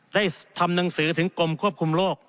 ได้ทำหนังสือถึงกรมควบคุมโรค